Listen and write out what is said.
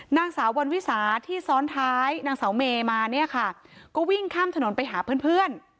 นางสาววันวิสาที่ซ้อนท้ายนางสาวเมมาเนี่ยค่ะก็วิ่งข้ามถนนไปหาเพื่อนเพื่อน